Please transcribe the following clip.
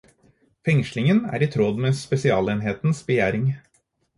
Fengslingen er i tråd med spesialenhetens begjæring.